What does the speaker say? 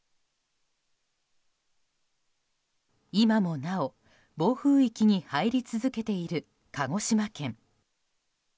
今もなお暴風域に入り続けている鹿児島県。